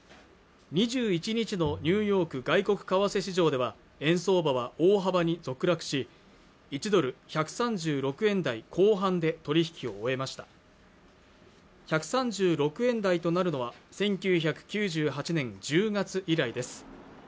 ２１日のニューヨーク外国為替市場では円相場は大幅に続落し１ドル＝１３６円台後半で取り引きを終えました１３６円台となるのは１９９８年１０月以来です